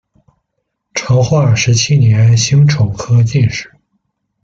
成化十七年辛丑科进士。